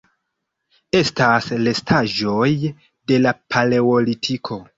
Estas restaĵoj de la Paleolitiko.